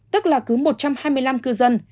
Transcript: tức là cứ một trăm hai mươi năm cư dân